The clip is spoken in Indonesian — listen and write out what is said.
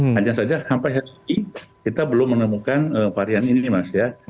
hanya saja sampai hari ini kita belum menemukan varian ini mas ya